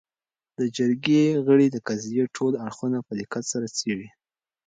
. د جرګې غړي د قضیې ټول اړخونه په دقت سره څېړي